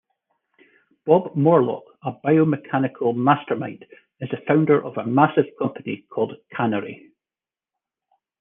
Bob Morlock, a biomechanical mastermind, is the founder of a massive company called Kanary.